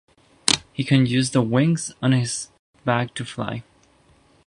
He can use the wings on his back to fly.